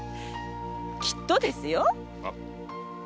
きっとですよ。